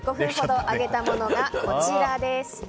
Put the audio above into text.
５分ほど揚げたものがこちらです。